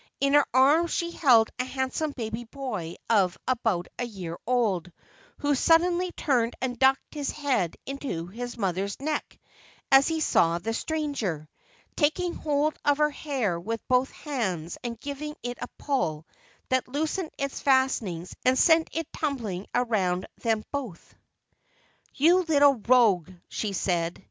In her arms she held a handsome baby boy of about a year old, who suddenly turned and ducked his head into his mother's neck as he saw the stranger, taking hold of her hair with both hands and giving it a pull that loosened its fastenings and sent it tumbling around them both. "You little rogue," she said.